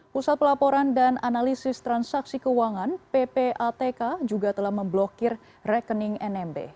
pusat pelaporan dan analisis transaksi keuangan ppatk juga telah memblokir rekening nmb